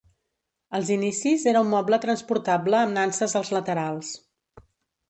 Als inicis era un moble transportable amb nanses als laterals.